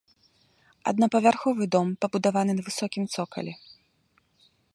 Аднапавярховы дом пабудаваны на высокім цокалі.